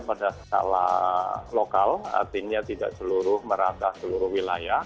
pada skala lokal artinya tidak seluruh merata seluruh wilayah